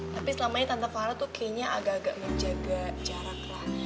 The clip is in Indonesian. tapi selamanya tante farah tuh kayaknya agak agak menjaga jarak lah